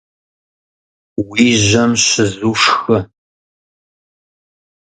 Уи жьэм щызу шхы.